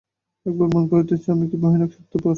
একবার মনে করিতেছেন, আমি কী ভয়ানক স্বার্থপর।